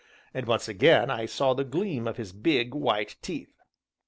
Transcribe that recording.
And once again I saw the gleam of his big, white teeth.